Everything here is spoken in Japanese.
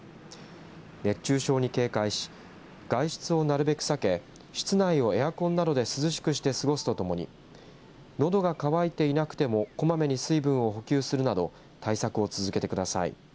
熱中症に警戒し外出をなるべく避け室内をエアコンなどで涼しくして過ごすとともにのどが渇いていなくてもこまめに水分を補給するなど対策を続けてください。